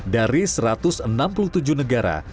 dari satu ratus enam puluh tujuh negara